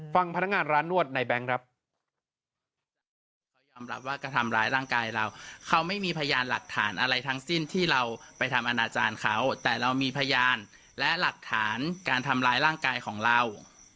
ฟังพนักงานร้านนวดในแบงค์ครับ